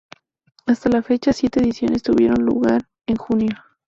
Hasta la fecha, siete ediciones tuvieron lugar en junio.